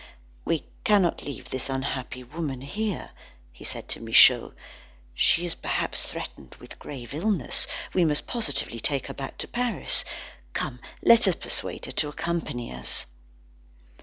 "We cannot leave this unhappy woman here," said he to Michaud. "She is perhaps threatened with grave illness. We must positively take her back to Paris. Come, let us persuade her to accompany us."